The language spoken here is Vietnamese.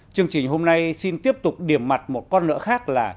chương trình hôm nay xin tiếp tục điểm mặt một con nữa khác là